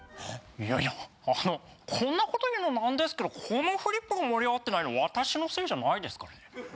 いやいやあのこんなこと言うのなんですけどこのフリップが盛り上がってないの私のせいじゃないですからね。